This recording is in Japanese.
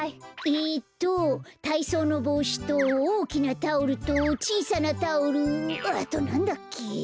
えっとたいそうのぼうしとおおきなタオルとちいさなタオルあとなんだっけ？